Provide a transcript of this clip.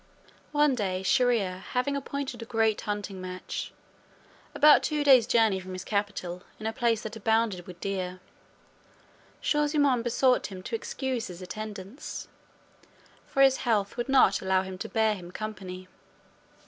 One day, Shier ear having appointed a great hunting match, about two days journey from his capital, in a place that abounded with deer, Shaw zummaun besought him to excuse his attendance, for his health would not allow him to bear him company.